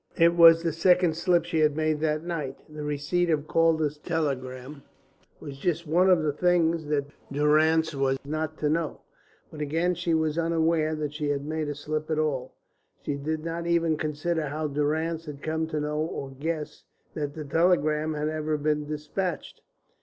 It was the second slip she had made that night. The receipt of Calder's telegram was just one of the things which Durrance was not to know. But again she was unaware that she had made a slip at all. She did not even consider how Durrance had come to know or guess that the telegram had ever been despatched.